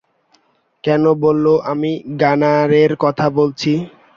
কে বললো আমি গানারের কথা বলছি?